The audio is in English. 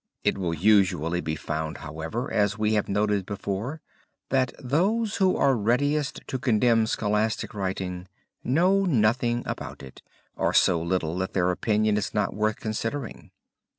It will usually be found, however, as we have noted before, that those who are readiest to condemn scholastic writing know nothing about it, or so little that their opinion is not worth considering.